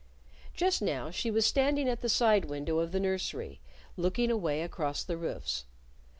Just now she was standing at the side window of the nursery looking away across the roofs.